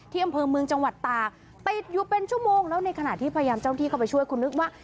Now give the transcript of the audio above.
อำเภอเมืองจังหวัดตากติดอยู่เป็นชั่วโมงแล้วในขณะที่พยายามเจ้าที่เข้าไปช่วยคุณนึกว่า